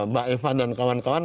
mbak eva dan kawan kawan